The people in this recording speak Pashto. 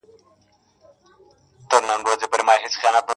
د مغفرت سپين غمـــي چــــا ولــــــــــــــــــرل ,